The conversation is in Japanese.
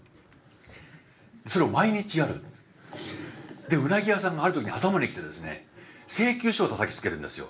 でうなぎ屋さんがある時に頭にきてですね請求書をたたきつけるんですよ。